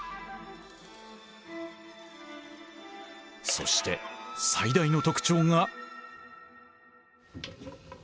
そして最大の特徴が。